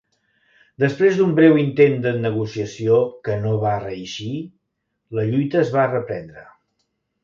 Després d'un breu intent de negociació, que no va reeixir, la lluita es va reprendre.